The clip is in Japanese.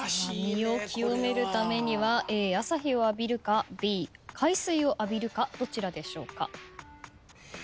身を清めるためにはＡ朝日を浴びるかＢ海水を浴びるかどちらでしょうか？